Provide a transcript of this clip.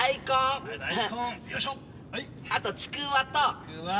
あとちくわと。